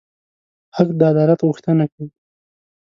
حق د عدالت غوښتنه کوي.